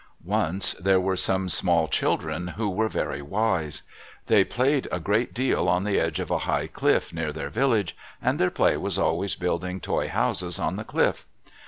_—Once there were some small children, who were very wise. They played a great deal on the edge of a high cliff near their village, and their play was always building toy houses on the cliff.